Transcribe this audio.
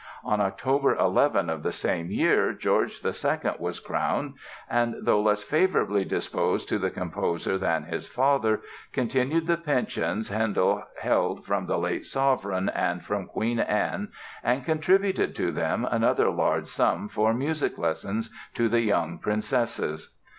On October 11 of the same year George II was crowned and, though less favorably disposed to the composer than his father, continued the pensions Handel held from the late sovereign and from Queen Anne and contributed to them another large sum for music lessons to the young princesses.